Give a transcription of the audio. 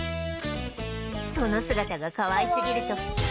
その姿がかわいすぎると